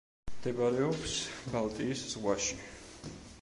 მდებარეობს ბალტიის ზღვაში.